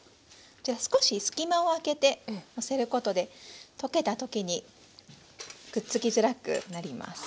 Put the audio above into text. じゃあ少し隙間を空けてのせることで溶けた時にくっつきづらくなります。